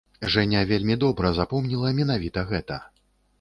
Жэня вельмі добра запомніла менавіта гэта.